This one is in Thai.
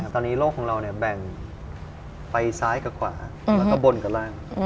ตอนนี้โลกของเราแบ่งไปซ้ายกับขวาแล้วก็บนกับล่าง